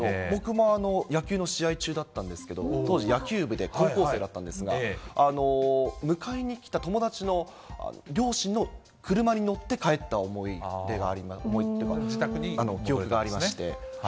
僕も野球の試合中だったんですけど、当時、野球部で高校生だったんですが、迎えに来た友達の両親の車に乗って帰った記憶があります。